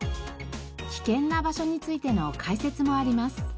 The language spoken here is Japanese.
危険な場所についての解説もあります。